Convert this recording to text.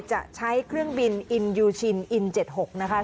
จะใช้เครื่องบินอินยูชินอิน๗๖นะคะ